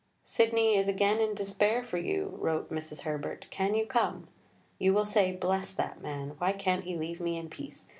"Sidney is again in despair for you," wrote Mrs. Herbert; "can you come? You will say, Bless that man, why can't he leave me in peace?